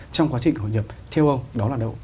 trong quá trình hội nhập theo ông đó là đâu